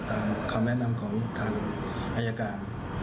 คำแนะนำของทางอายการ